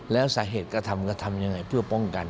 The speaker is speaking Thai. แล้วสาเหตุกระทำกระทำยังไงเพื่อป้องกัน